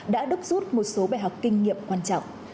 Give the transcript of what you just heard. đã đúc rút một số bài học kinh nghiệm quan trọng